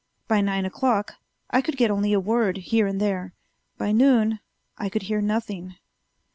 By nine o'clock I could get only a word here and there. By noon I could hear nothing.